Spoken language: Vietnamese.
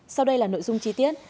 sau đây là nội dung chi tiết